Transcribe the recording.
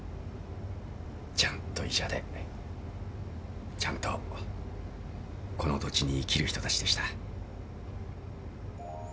ちゃんと医者でちゃんとこの土地に生きる人たちでした。